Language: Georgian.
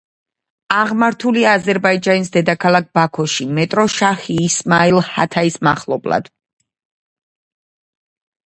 აღმართულია აზერბაიჯანის დედაქალაქ ბაქოში, მეტრო „შაჰ ისმაილ ჰათაის“ მახლობლად.